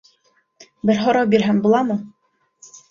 — Бер һорау бирһәм буламы?